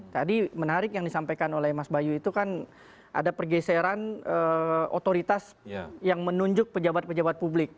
tadi menarik yang disampaikan oleh mas bayu itu kan ada pergeseran otoritas yang menunjuk pejabat pejabat publik